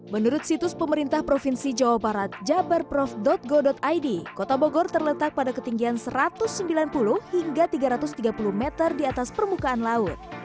menurut situs pemerintah provinsi jawa barat jabarprov go id kota bogor terletak pada ketinggian satu ratus sembilan puluh hingga tiga ratus tiga puluh meter di atas permukaan laut